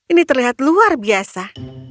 ini terlihat luar biasa